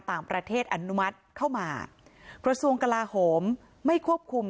ต่างประเทศอนุมัติเข้ามากระทรวงกลาโหมไม่ควบคุม